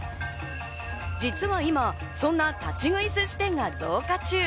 実は今、そんな立ち食いすし店が増加中。